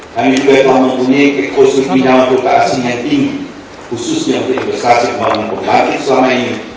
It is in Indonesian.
kami juga telah mempunyai kekosur pinjaman perutasi yang tinggi khususnya untuk investasi pembangun pembangkit selama ini